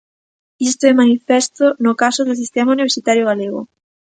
Isto é manifesto no caso do sistema universitario galego.